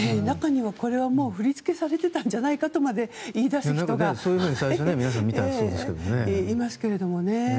中にはこれは振り付けされていたんじゃないかと言い出す人がいますけれどもね。